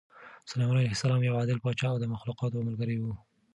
سلیمان علیه السلام یو عادل پاچا او د مخلوقاتو ملګری و.